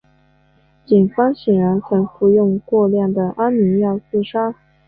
警方显然曾服用过量的安眠药自杀。